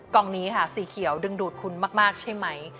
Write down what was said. กองนี้ค่ะสีเขียวดึงดูดคุณมากใช่ไหม